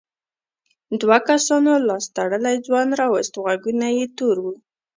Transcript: دوو کسانو لاس تړلی ځوان راووست غوږونه یې تور وو.